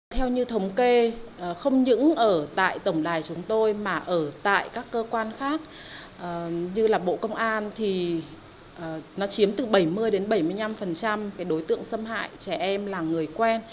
theo như thống kê không những ở tại tổng đài chúng tôi mà ở tại các cơ quan khác như là bộ công an thì nó chiếm từ bảy mươi đến bảy mươi năm đối tượng xâm hại trẻ em là người quen